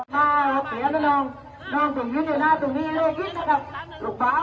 มาหัวเขียนนะน้องน้องถึงยืนอยู่หน้าตรงนี้